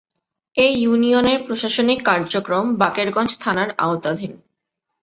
এ ইউনিয়নের প্রশাসনিক কার্যক্রম বাকেরগঞ্জ থানার আওতাধীন।